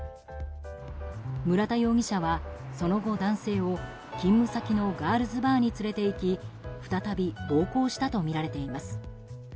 村田容疑者はその後、男性を勤務先のガールズバーに連れていき再び暴行したとみられています。